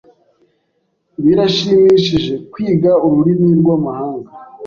Birashimishije kwiga ururimi rwamahanga.